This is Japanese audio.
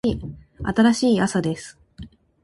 新しい朝です。